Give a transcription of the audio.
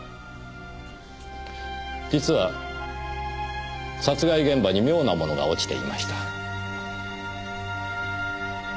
実は殺害現場に妙なものが落ちていました。